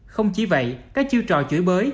không chỉ vậy các chiêu trò chửi bới